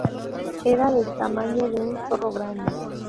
Era del tamaño de un zorro grande.